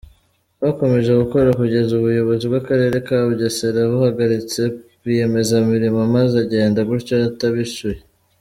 Bakomeje gukora kugeza ubuyobozi bw’Akarere ka Bugesera buhagaritse rwiyemezamirimo maze agenda gutyo atabishyuye.